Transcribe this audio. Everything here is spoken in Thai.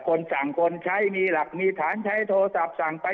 คนสั่งคนใช้มีหลักมีฐานใช้โทรศัพท์สั่งไป